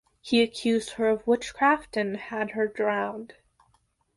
He accused her of witchcraft and had her drowned.